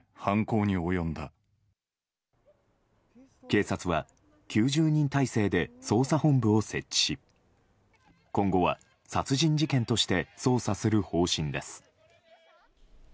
警察は９０人態勢で捜査本部を設置し今後は殺人事件として捜査する方針です。